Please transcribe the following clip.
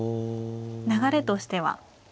流れとしては。